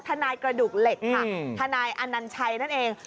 ทนายกระดูกเหล็กค่ะทนายอนัญชัยนั่นเอง